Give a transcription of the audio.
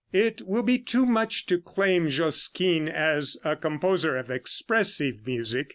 It will be too much to claim Josquin as a composer of expressive music.